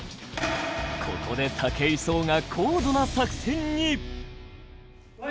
ここで武井壮が高度な作戦に！